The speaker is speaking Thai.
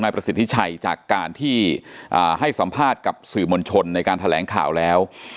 ประสิทธิชัยจากการที่ให้สัมภาษณ์กับสื่อมวลชนในการแถลงข่าวแล้ว